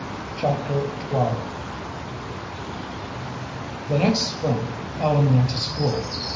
Chapter XII The next spring Ellen went to school.